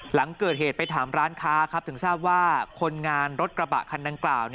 หลังเกิดเหตุไปถามร้านค้าครับถึงทราบว่าคนงานรถกระบะคันดังกล่าว